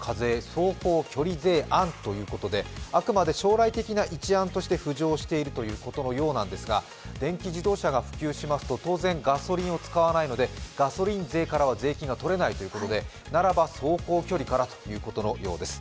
走行距離案ということなんですが、あくまで将来的な一案として浮上しているということのようなんですが、電気自動車が普及しますと当然、ガソリンを使わないのでガソリン税からは税金が取れないということで、ならば走行距離からということのようです。